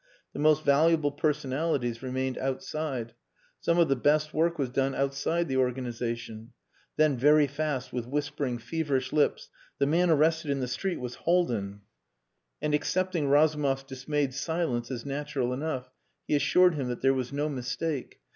The most valuable personalities remained outside. Some of the best work was done outside the organization. Then very fast, with whispering, feverish lips "The man arrested in the street was Haldin." And accepting Razumov's dismayed silence as natural enough, he assured him that there was no mistake.